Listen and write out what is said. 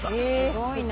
すごいな。